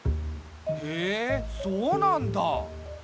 へえそうなんだ。